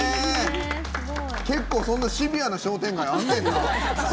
結構シビアな商店街あるねんな。